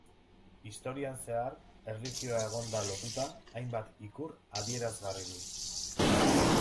Historian zehar, erlijioa egon da lotuta hainbat ikur adierazgarriri.